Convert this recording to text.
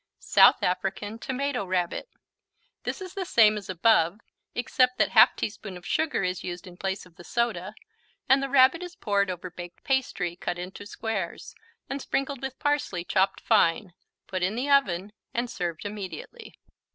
South African Tomato Rabbit This is the same as above, except that 1/2 teaspoon of sugar is used in place of the soda and the Rabbit is poured over baked pastry cut into squares and sprinkled with parsley, chopped fine, put in the oven and served immediately.